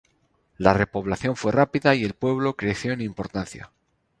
La repoblación fue rápida y el pueblo creció en importancia.